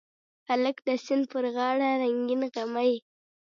هلک د سیند پر غاړه رنګین غمي